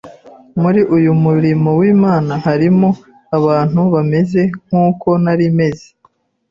muri uyu murimo w’Imana harimo abantu bameze nkuko nari meze